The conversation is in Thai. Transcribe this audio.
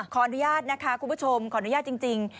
ขออนุญาตนะคะคุณผู้ชมขออนุญาตจริง